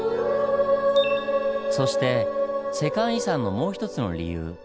そして世界遺産のもう一つの理由